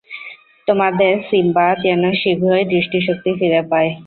তোমাদের সিম্বা যেন শীঘ্রই দৃষ্টিশক্তি ফিরে পায়।